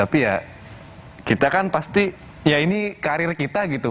tapi ya kita kan pasti ya ini karir kita gitu